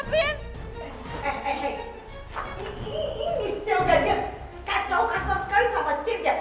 ini siangnya dia kacau kasar sekali sama cynthia